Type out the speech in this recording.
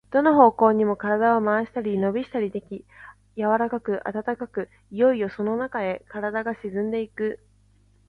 どの方向にも身体を廻したり、のびをしたりでき、柔かく暖かく、いよいよそのなかへ身体が沈んでいく。